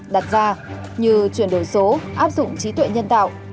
đặt ra như chuyển đổi số áp dụng trí tuệ nhân tạo